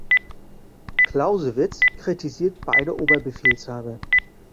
Clausewitz kritisiert beide Oberbefehlshaber.